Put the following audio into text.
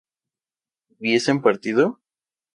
¿hubiesen partido?